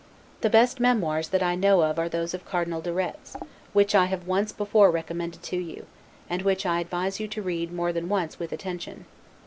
The best memoirs that I know of are those of Cardinal de Retz, which I have once before recommended to you; and which I advise you to read more than once, with attention.